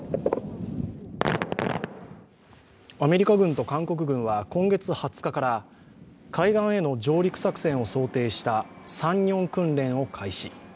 アメリカ軍と韓国軍は今月２０日から海岸への上陸作戦を想定したサンニョン訓練を開始。